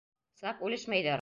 Саҡ үлешмәйҙәр!..